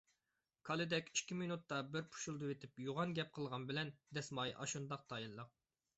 كالىدەك ئىككى مېنۇتتا بىر پۇشۇلدىۋېتىپ يوغان گەپ قىلغان بىلەن دەسمايە ئاشۇنداق تايىنلىق.